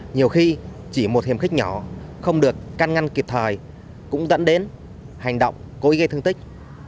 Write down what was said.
nhiều khi chỉ một hiểm khích nhỏ không được căn ngăn kịp thời cũng dẫn đến hành động cố ý gây thương tích